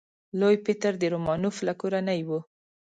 لوی پطر د رومانوف له کورنۍ و.